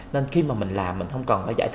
nên khi mà mình làm mình không cần phải giải thích